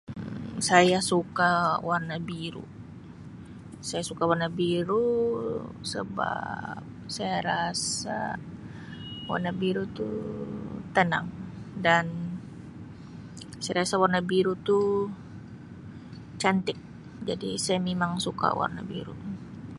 Um Saya suka warna biru saya suka warna biru sebab saya rasa warna biru tu tenang dan saya rasa warna biru tu cantik jadi saya mimang suka warna biru.